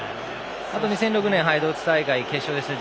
あと２００６年ドイツ大会決勝ですね。